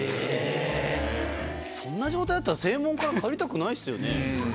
そんな状態だったら正門から帰りたくないっすよね？